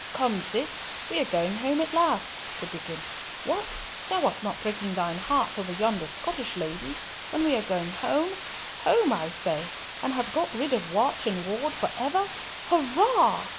"Come, Cis, we are going home at last," said Diccon. "What! thou art not breaking thine heart over yonder Scottish lady—when we are going home, home, I say, and have got rid of watch and ward for ever? Hurrah!"